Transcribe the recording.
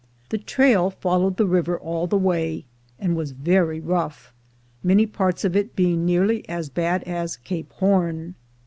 The trail followed the river all the way, and was very rough, many parts of it being nearly as bad as "Cape Horn."